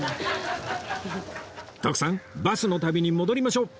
徳さんバスの旅に戻りましょう！